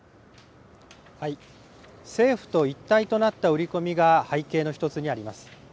政府と一体となった売り込みが背景の一つにあります。